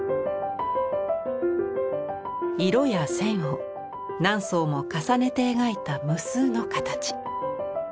色や線を何層も重ねて描いた無数の形。